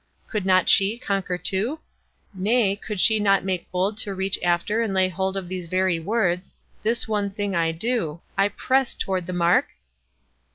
Could not she conquer too? nay, could she not make bold to reach after and lay hold of these very words : "This one thing I do," " I press toward the mark